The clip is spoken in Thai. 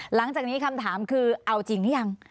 หลังจากนี้คำถามคือเอาจริงหรือยัง